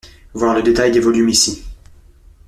Voir le détail des volumes ici.